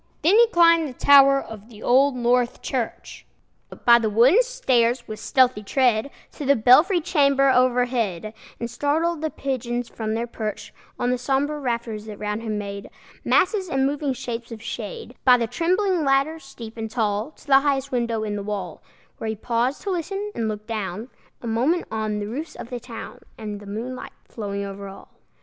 Then he climbed the tower of the Old North Church, By the wooden stairs, with stealthy tread, To the belfry chamber overhead, And startled the pigeons from their perch On the sombre rafters, that round him made Masses and moving shapes of shade, By the trembling ladder, steep and tall, To the highest window in the wall, Where he paused to listen and look down A moment on the roofs of the town, And the moonlight flowing over all.